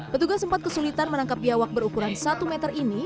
petugas sempat kesulitan menangkap biawak berukuran satu meter ini